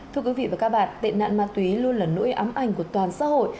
thưa quý vị và các bạn tệ nạn ma túy luôn là nỗi ám ảnh của toàn xã hội